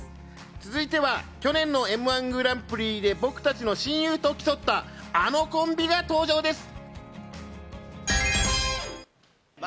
続いては、去年のМ‐１グランプリで僕たちの親友と競ったあのコンビが登場です。